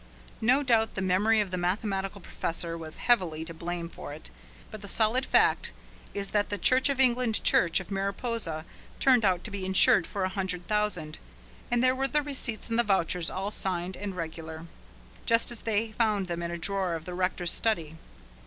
No doubt the memory of the mathematical professor was heavily to blame for it, but the solid fact is that the Church of England Church of Mariposa turned out to be insured for a hundred thousand, and there were the receipts and the vouchers, all signed and regular, just as they found them in a drawer of the rector's study.